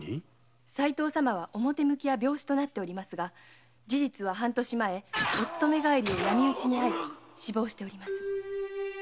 齋藤様は表向きは病死となっておりますが事実は半年前お勤め帰りを闇討ちにあい死亡しております。